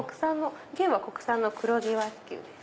牛は国産の黒毛和牛です。